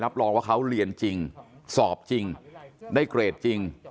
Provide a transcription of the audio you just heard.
รองว่าเขาเรียนจริงสอบจริงได้เกรดจริง